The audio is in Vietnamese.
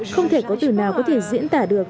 không thể có từ nào có thể diễn tả được